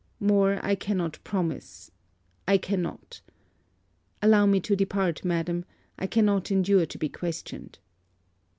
More I cannot promise I cannot. Allow me to depart, madam, I cannot endure to be questioned.'